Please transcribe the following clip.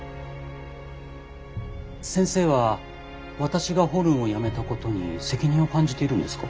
先生は私がホルンをやめたことに責任を感じているんですか？